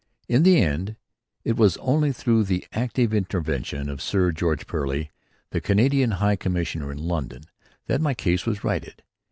] In the end it was only through the active intervention of Sir George Perley, the Canadian High Commissioner in London that my case was righted.